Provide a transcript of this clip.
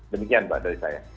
demikian pak dari saya